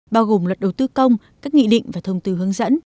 bao gồm luật đầu tư công các nghị định và thông tư hướng dẫn